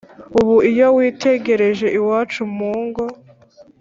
.Ubu iyo witegereje iwacu mu ngo